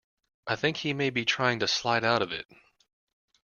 I think he may be trying to slide out of it.